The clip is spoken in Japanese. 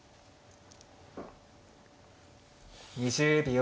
２０秒。